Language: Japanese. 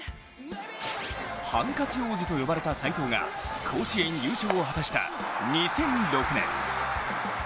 ハンカチ王子と呼ばれた斎藤が甲子園優勝を果たした２００６年。